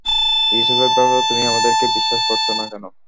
ইউসুফের ব্যাপারে তুমি আমাদেরকে বিশ্বাস করছ না কেন?